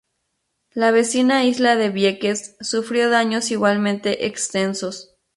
La vecina isla de Vieques sufrió daños igualmente extensos.